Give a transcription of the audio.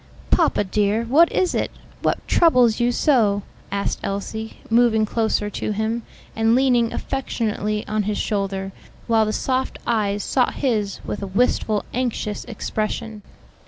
"Papa, dear, what is it? What troubles you so?" asked Elsie, moving closer to him, and leaning affectionately on his shoulder, while the soft eyes sought his with a wistful, anxious expression.